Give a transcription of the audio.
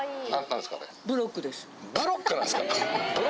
ブロックなんですか！？